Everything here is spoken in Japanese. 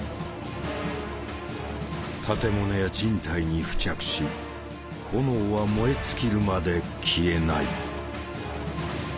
建物や人体に付着し炎は燃え尽きるまで消えない。